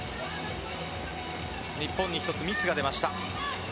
日本に一つミスが出ました。